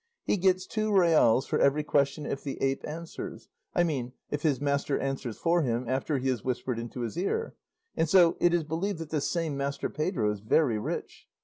He gets two reals for every question if the ape answers; I mean if his master answers for him after he has whispered into his ear; and so it is believed that this same Master Pedro is very rich.